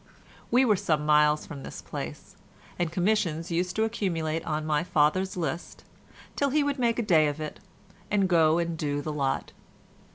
We were some miles from this place, and commissions used to accumulate on my father's list till he would make a day of it and go and do the lot.